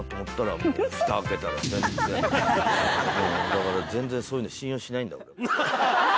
だから全然そういうの信用しないんだ俺。